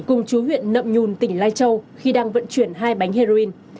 cùng chú huyện nậm nhùn tỉnh lai châu khi đang vận chuyển hai bánh heroin